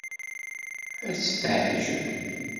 Ad tt-teɛjeb.